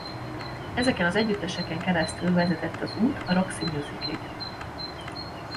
Ezeken ez együtteseken keresztül vezetett az út a Roxy Musicig.